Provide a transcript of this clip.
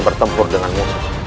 bertempur dengan musuh